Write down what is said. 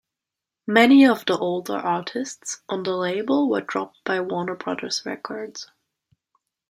Many of the older artists on the label were dropped by Warner Brothers Records.